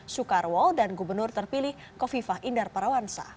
soekarwo dan gubernur terpilih kofifah indar parawansa